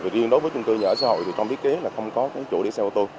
riêng đối với chung cư nhà ở xã hội thì trong bí kế là không có cái chỗ để xe ô tô